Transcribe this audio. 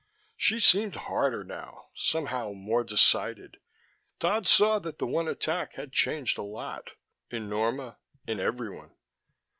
She seemed harder now, somehow, more decided. Dodd saw that the one attack had changed a lot in Norma, in everyone.